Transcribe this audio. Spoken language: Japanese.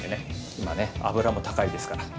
今ね、油も高いですから。